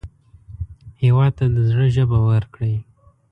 هېواد ته د زړه ژبه ورکړئ